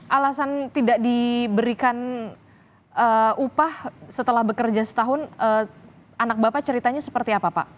alasan tidak diberikan upah setelah bekerja setahun anak bapak ceritanya seperti apa pak